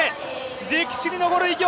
歴史に残る偉業！